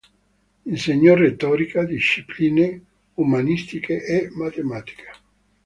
Insegnò retorica, discipline umanistiche, e matematica.